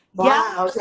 wah siapa tuh